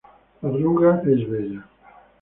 La arruga es bella